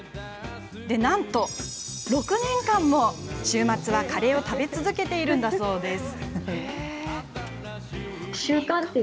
なんと６年間も週末はカレーを食べ続けているんだそうです。